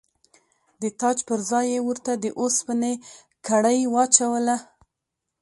د تاج پر ځای یې ورته د اوسپنې کړۍ واچوله.